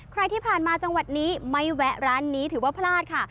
ใครที่ผ่านมาจังหวัดนี้ไม่แวะร้านนี้ถือว่าพลาดค่ะ